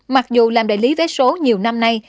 mặc dù làm đại lý vé số nhiều năm nay